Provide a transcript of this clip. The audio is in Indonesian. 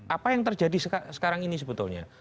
apa yang terjadi sekarang ini sebetulnya